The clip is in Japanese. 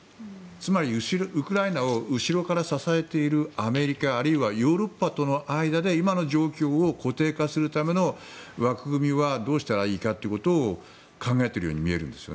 つまりウクライナを後ろから支えているアメリカあるいはヨーロッパとの間で今の状況を固定化するための枠組みはどうしたらいいかということを考えているように見えるんです。